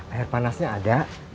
air panasnya ada